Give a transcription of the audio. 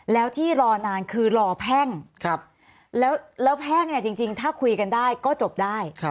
แล้วที่รอนานคือรอแพ่งแล้วแพ่งจริงถ้าคุยกันได้ก็จบได้